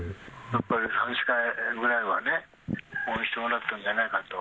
やっぱり３、４回ぐらいはね、応援してもらったんじゃないかと。